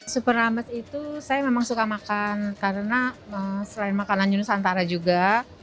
super rames itu saya memang suka makan karena selain makanan yunus antara juga